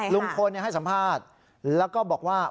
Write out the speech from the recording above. ลุงพลให้สัมภาษณ์แล้วก็บอกว่า